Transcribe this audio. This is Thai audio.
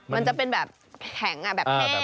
มันจะเป็นแบบแข็งแบบแห้ง